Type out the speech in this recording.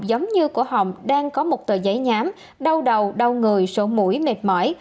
giống như cổ họng đang có một tờ giấy nhám đau đầu đau người sổ mũi mệt mỏi